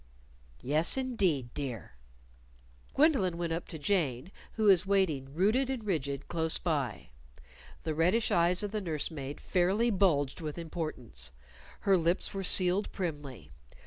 "Yes, indeed, dear." Gwendolyn went up to Jane, who was waiting, rooted and rigid, close by. The reddish eyes of the nurse maid fairly bulged with importance. Her lips were sealed primly.